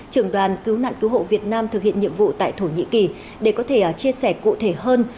trưởng đoàn cứu nạn cứu hộ việt nam thực hiện nhiệm vụ tại thổ nhĩ kỳ để có thể chia sẻ cụ thể hơn